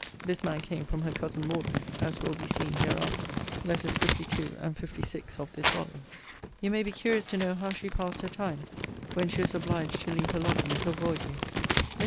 * This man came from her cousin Morden; as will be seen hereafter, Letters LII. and LVI. of this volume. You may be curious to know how she passed her time, when she was obliged to leave her lodging to avoid you. Mrs.